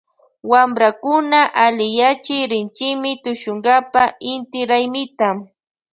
Wamprakuna alliyachi rinchimi tushunkapa inti raymita.